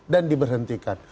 dan di berhentikan